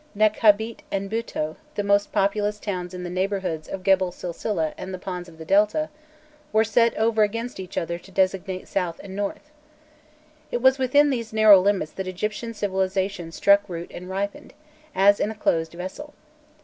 Nekhabit and Bûto, the most populous towns in the neighbourhoods of Gebel Silsileh and the ponds of the Delta, were set over against each other to designate South and North. It was within these narrow limits that Egyptian civilization struck root and ripened, as in a closed vessel.